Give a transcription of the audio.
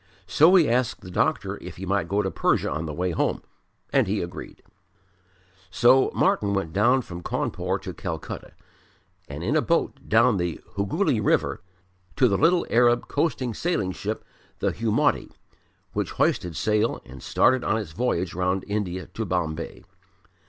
So he asked the doctor if he might go to Persia on the way home, and he agreed. So Martyn went down from Cawnpore to Calcutta, and in a boat down the Hoogli river to the little Arab coasting sailing ship the Hummoudi, which hoisted sail and started on its voyage round India to Bombay.